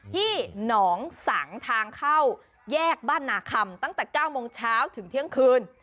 ที่หนองสังทางเข้าแยกบ้านนาคำตั้งแต่๙โมงเช้าถึงเที่ยงคืน